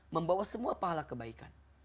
membawa semua pahala kebaikan